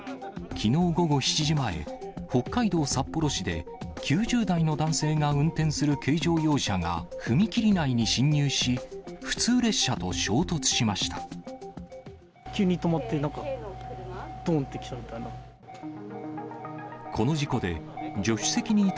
きのう午後７時前、北海道札幌市で、９０代の男性が運転する軽乗用車が踏切内に進入し、普通列車と衝突しました。